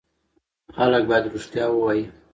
خلک باید رښتیا ووایي.